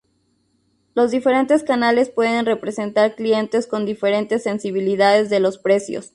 Los diferentes canales pueden representar clientes con diferentes sensibilidades de los precios.